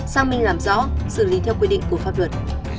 sang mình làm rõ xử lý theo quy định của pháp luật